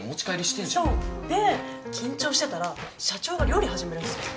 で緊張してたら社長が料理始めるんですよ。